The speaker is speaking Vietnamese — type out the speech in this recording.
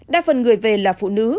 đa phần người về là phụ nữ